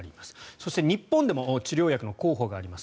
そして日本でも治療薬の候補があります。